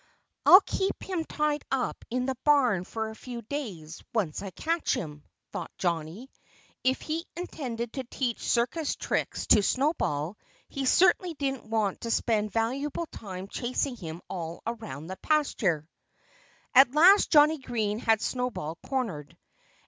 "I'll keep him tied up in the barn for a few days once I catch him," thought Johnnie. If he intended to teach circus tricks to Snowball he certainly didn't want to spend valuable time chasing him all around the pasture. At last Johnnie Green had Snowball cornered.